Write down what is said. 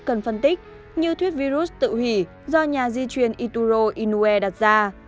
cần phân tích như thuyết virus tự hủy do nhà di truyền ituro inue đặt ra